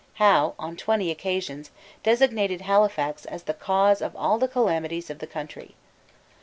Howe, on twenty occasions, designated Halifax as the cause of all the calamities of the country.